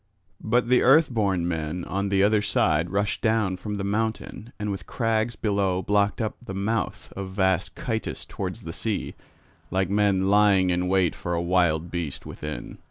But the Earthborn men on the other side rushed down from the mountain and with crags below blocked up the mouth of vast Chytus towards the sea, like men lying in wait for a wild beast within.